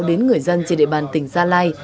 đến người dân trên địa bàn tỉnh gia lai